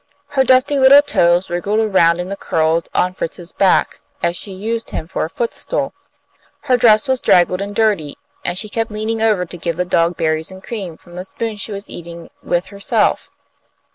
Her dusty little toes wriggled around in the curls on Fritz's back, as she used him for a footstool. Her dress was draggled and dirty, and she kept leaning over to give the dog berries and cream from the spoon she was eating with herself.